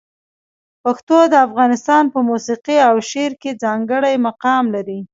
پښتو د افغانستان په موسیقي او شعر کې ځانګړی مقام لري.